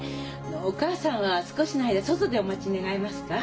お母さんは少しの間外でお待ち願えますか？